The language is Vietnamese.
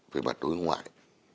về mặt đối ngoại